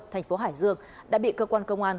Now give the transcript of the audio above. thành phố hải dương đã bị cơ quan công an